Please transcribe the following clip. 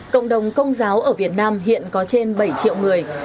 cộng đồng công giáo ở việt nam hiện có trên bảy triệu người